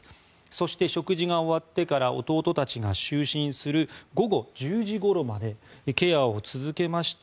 そして、食事が終わってから弟たちが就寝する午後１０時ごろまでケアを続けまして